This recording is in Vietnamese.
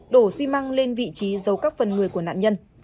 đổ xi măng lên vị trí giấu các phần người của nạn nhân